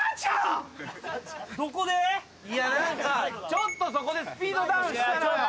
・ちょっとそこでスピードダウンしたのよ。